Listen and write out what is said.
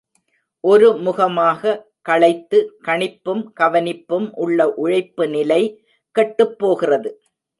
ஒரு முகமாக களைத்து, கணிப்பும் கவனிப்பும் உள்ள உழைப்புநிலை கெட்டுப்போகிறது.